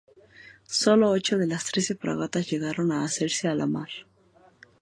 Sólo ocho de las trece fragatas llegaron a hacerse a la mar.